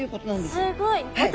すごい。